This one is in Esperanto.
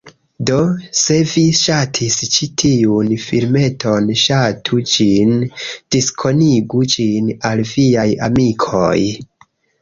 Do, se vi ŝatis ĉi tiun filmeton ŝatu ĝin, diskonigu ĝin al viaj amikoj